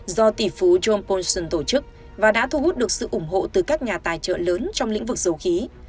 do tỷ phú john polson tổ chức và đã thu hút được sự ủng hộ từ các nhà tài trợ lớn trong lĩnh vực dầu khí